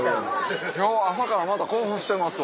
今日は朝からまた興奮してますわ。